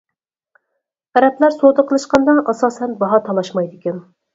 ئەرەبلەر سودا قىلىشقاندا ئاساسەن باھا تالاشمايدىكەن.